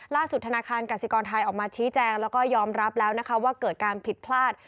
ธนาคารกสิกรไทยออกมาชี้แจงแล้วก็ยอมรับแล้วนะคะว่าเกิดการผิดพลาด